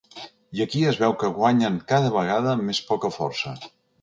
I aquí es veu que guanyen cada vegada amb més poca força.